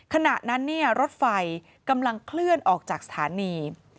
ขณะนั้นรถไฟกำลังเคลื่อนออกจากสถานี